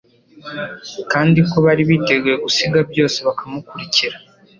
kandi ko bari biteguye gusiga byose, bakamukurikira.